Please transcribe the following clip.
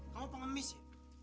kamu pengemis ya